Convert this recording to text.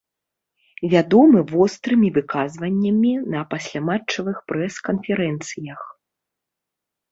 Вядомы вострымі выказваннямі на пасляматчавых прэс-канферэнцыях.